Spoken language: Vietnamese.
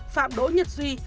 phạm đỗ nhật duy